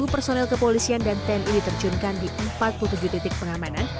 tiga personel kepolisian dan tni diterjunkan di empat puluh tujuh detik pengamanan